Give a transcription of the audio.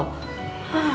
mas makasih ma